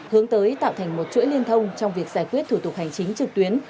hướng tới tạo thành một chuỗi liên thông trong việc giải quyết thủ tục hành chính trực tuyến